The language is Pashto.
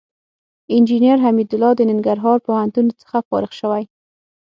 انجينر حميدالله د ننګرهار پوهنتون څخه فارغ شوى.